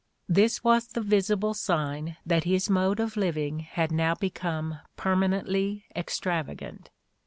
" This was the visible sign that his mode of living had now become permanently extravagant.